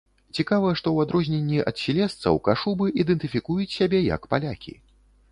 Цікава, што ў адрозненні ад сілезцаў, кашубы ідэнтыфікуюць сябе як палякі.